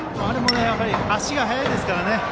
あれも足が速いですからね。